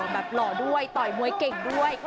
หล่อด้วยต่อยมวยเก่งด้วย